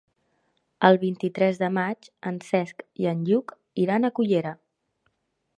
El vint-i-tres de maig en Cesc i en Lluc iran a Cullera.